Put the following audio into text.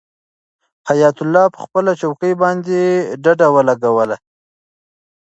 حیات الله په خپله چوکۍ باندې ډډه ولګوله.